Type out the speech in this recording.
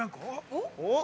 ◆おっ？